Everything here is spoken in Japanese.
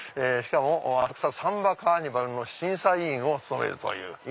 しかも浅草サンバカーニバルの審査委員を務めるという。